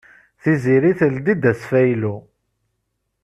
Tiziri teldi-d asfaylu.